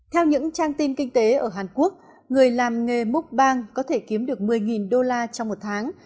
theo những trang tin kinh tế ở hàn quốc người làm nghề múc bang có thể kiếm được một mươi đô la trong một tháng